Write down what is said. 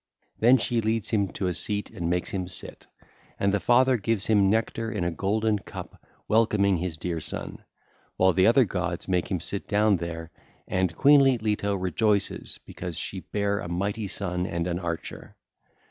Then she leads him to a seat and makes him sit: and the Father gives him nectar in a golden cup welcoming his dear son, while the other gods make him sit down there, and queenly Leto rejoices because she bare a mighty son and an archer.